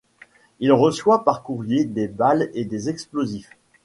Il reçoit par courrier des balles et des explosifs.